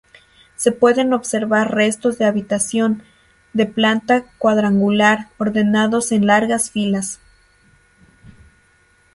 Se pueden observar restos de habitación, de planta cuadrangular, ordenados en largas filas.